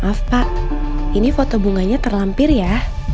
maaf pak ini foto bunganya terlampir ya